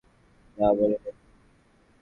না, মনে নেই।